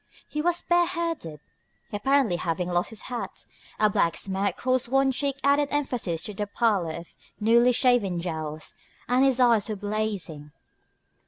He was bareheaded, apparently having lost his hat; a black smear across one cheek added emphasis to the pallor of newly shaven jowls; and his eyes were blazing.